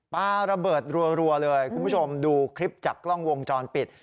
ปลาระเบิดรัวเลยคุณผู้ชมดูคลิปจากกล้องวงจรปิด